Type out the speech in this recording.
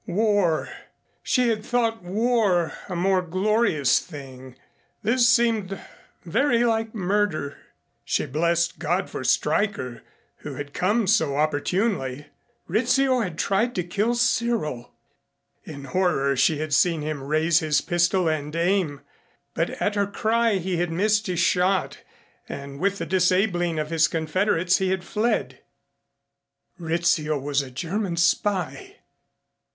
War! She had thought war a more glorious thing. This seemed very like murder. She blessed God for Stryker who had come so opportunely. Rizzio had tried to kill Cyril. In horror she had seen him raise his pistol and aim, but at her cry he had missed his shot and with the disabling of his confederates he had fled. Rizzio was a German spy.